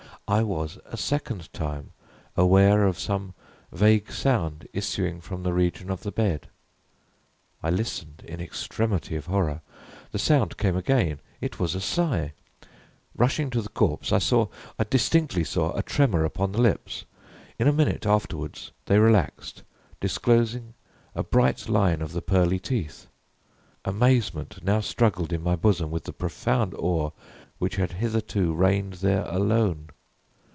I was a second time aware of some vague sound issuing from the region of the bed. I listened in extremity of horror. The sound came again it was a sigh. Rushing to the corpse, I saw distinctly saw a tremor upon the lips. In a minute afterward they relaxed, disclosing a bright line of the pearly teeth. Amazement now struggled in my bosom with the profound awe which had hitherto reigned there alone.